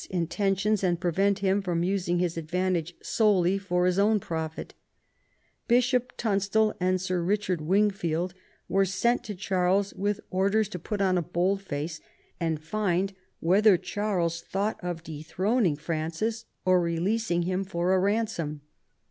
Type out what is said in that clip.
's intentions, and prevent him from using his advan tage solely for his own profit Bishop Tunstal and Sir Richard Wingfield were sent to Charles with orders to put on a bold face, and find whether Charles thought of dethroning Francis or releasing him for a ransom.